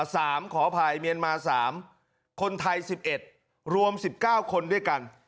ขออภัยเมียนมาสามคนไทยสิบเอ็ดรวมสิบเก้าคนด้วยกัน